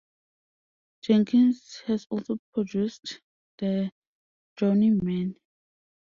Jenkins has also produced The Drowning Men.